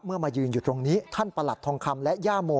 มายืนอยู่ตรงนี้ท่านประหลัดทองคำและย่าโม